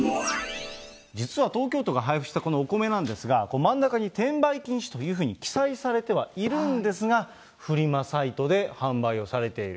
実は東京都が配布したこのお米なんですが、真ん中に転売禁止というふうに記載されてはいるんですが、フリマサイトで販売をされている。